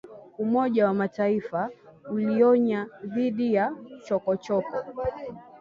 Umoja wa Mataifa ulionya dhidi ya chokochoko